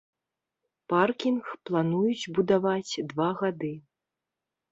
Паркінг плануюць будаваць два гады.